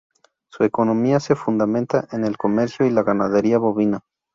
Su economía se fundamenta en el comercio y en la ganadería bovina.